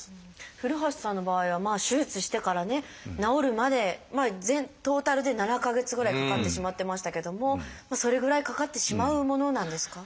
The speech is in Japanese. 古橋さんの場合は手術してからね治るまでトータルで７か月ぐらいかかってしまってましたけどもそれぐらいかかってしまうものなんですか？